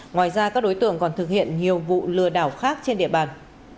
ngoài ra các đối tượng còn thực hiện nhiều vụ lừa đảo khác trên địa bàn